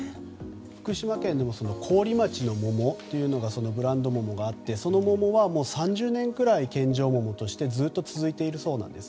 福島県の桑折町にはブランド桃があってその桃は３０年くらい献上桃としてずっと続いているそうなんです。